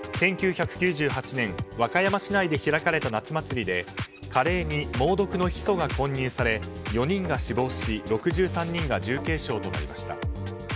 １９９８年和歌山市内で開かれた夏祭りでカレーに猛毒のヒ素が混入され４人が死亡し６３人が重軽傷を負いました。